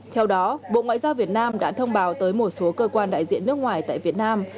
theo đó bộ ngoại giao việt nam đã thông báo tới một số cơ quan đại diện nước ngoài tại việt nam